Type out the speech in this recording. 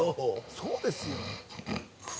そうですよ